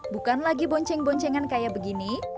bukan lagi bonceng boncengan kayak begini